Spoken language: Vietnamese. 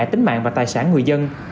tính mạng và tài sản người dân